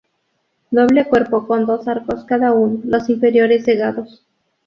Doble cuerpo con dos arcos cada uno, los inferiores cegados.